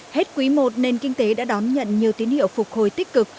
hết quý i nền kinh tế đã đón nhận nhiều tín hiệu phục hồi tích cực